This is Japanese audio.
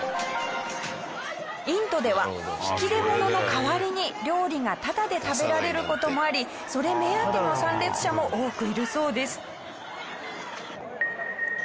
インドでは引き出物の代わりに料理がタダで食べられる事もありそれ目当ての参列者も多くいるそうです。